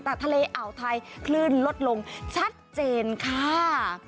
แต่ทะเลอ่าวไทยคลื่นลดลงชัดเจนค่ะ